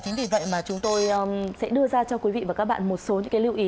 thế thì vậy mà chúng tôi sẽ đưa ra cho quý vị và các bạn một số những lưu ý